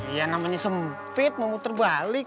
iya namanya sempit mau muter balik